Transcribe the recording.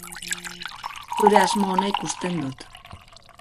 Zure asmo ona ikusten dut.